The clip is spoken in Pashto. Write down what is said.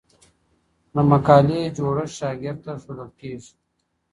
د مقالي جوړښت شاګرد ته ښودل کېږي.